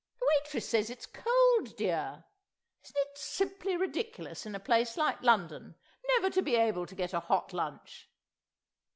The waitress says it's cold, dear! Isn't it simply ridiculous in a place like London never to be able to get a hot lunch!